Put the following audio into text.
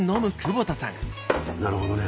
なるほどね。